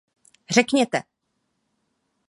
Řekněte!